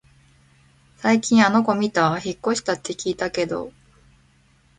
最近あの子みた？引っ越したって聞いたけど